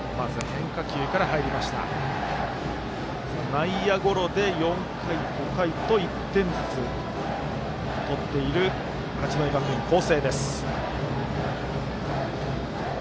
内野ゴロで４回、５回と１点ずつ取っている八戸学院光星。